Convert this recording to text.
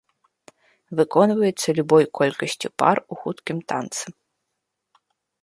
Выконваецца любой колькасцю пар у хуткім танцы.